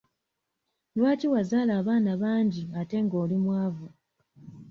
Lwaki wazaala abaana bangi ate nga oli mwavu?